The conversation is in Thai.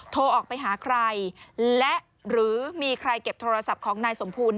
โทรออกไปหาใครและหรือมีใครเก็บโทรศัพท์ของนายสมภูล